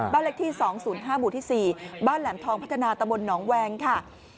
บ้านเลขที่๒๐๕หมู่ที่๔บ้านแหลมทองพัฒนาตะบนหนองแวงค่ะ